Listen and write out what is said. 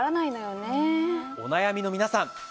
お悩みの皆さん